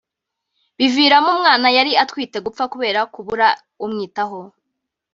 biviramo umwana yari atwitwe gupfa kubera kubura umwitaho